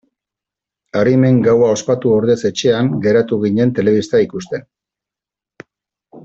Arimen gaua ospatu ordez etxean geratu ginen telebista ikusten.